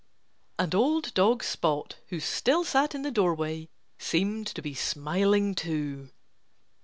And old dog Spot, who still sat in the doorway, seemed to be smiling, too.